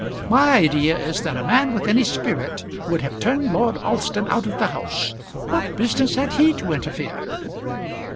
My idea is that a man with any spirit would have turned Lord Alston out of the house. What business had he to interfere?"